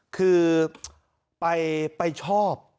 คือไปชอบ